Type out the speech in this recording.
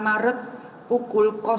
selain lima negara